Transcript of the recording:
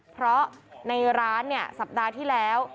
เพราะในร้านเนี่ยสัปดาห์ที่แล้ว